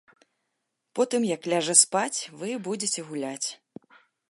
Потым, як ляжа спаць, вы будзеце гуляць.